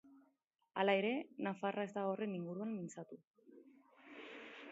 Hala ere, nafarra ez da horren inguruan mintzatu.